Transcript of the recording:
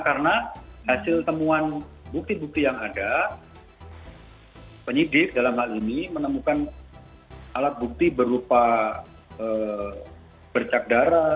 karena hasil temuan bukti bukti yang ada penyidik dalam hal ini menemukan alat bukti berupa bercak darah